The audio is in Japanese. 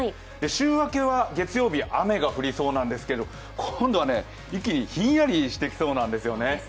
週明けは月曜日、雨が降りそうなんですけど今度は一気にひんやりしてきそうなんですよね。